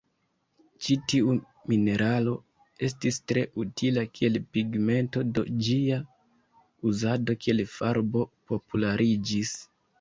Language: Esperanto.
Ĉi tiu mineralo estis tre utila kiel pigmento, do ĝia uzado kiel farbo populariĝis.